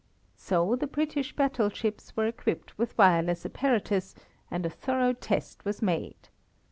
So the British battle ships were equipped with wireless apparatus and a thorough test was made.